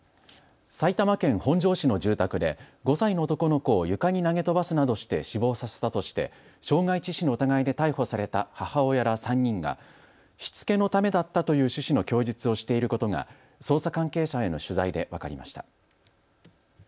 埼玉県本庄市の住宅で５歳の男の子を床に投げ飛ばすなどして死亡させたとして傷害致死の疑いで逮捕された母親ら３人がしつけのためだったという趣旨の供述をしていることが捜査関係者への取材で分かりました。